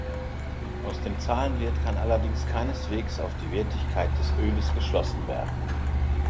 Aus dem Zahlenwert kann allerdings keineswegs auf die Wertigkeit des Öles geschlossen werden.